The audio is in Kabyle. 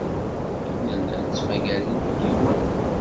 Nella nettmagar inebgiwen.